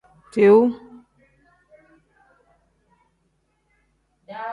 Tiu.